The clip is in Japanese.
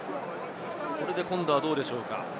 これで今度はどうでしょうか？